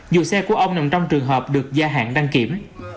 dù xe của ông nằm trong trường hợp được gia hạn đăng kiểm